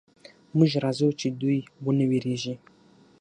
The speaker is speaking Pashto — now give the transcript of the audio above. موږ راځو چې دوئ ونه وېرېږي.